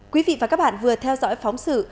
quý vị và các bạn vừa theo dõi phóng sự